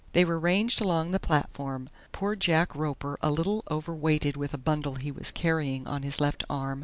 They were ranged along the platform poor Jack Roper a little overweighted with a bundle he was carrying on his left arm.